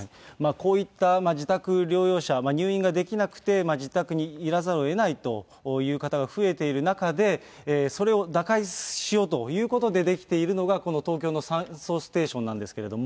こういった自宅療養者、入院ができなくて自宅にいざるをえないという方が増えている中で、それを打開しようということで、できているのが、この東京の酸素ステーションなんですけれども。